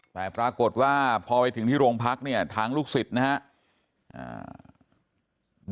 แต่ปรากฏว่าพอไปถึงที่โรงพักเนี่ยทางลูกศิษย์นะครับ